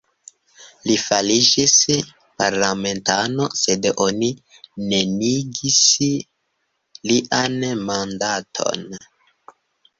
Li fariĝis parlamentano, sed oni neniigis lian mandaton.